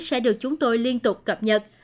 sẽ được chúng tôi liên tục cập nhật